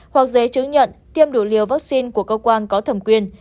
hoặc giấy chứng nhận tiêm đủ liều vaccine của cơ quan có thẩm quyền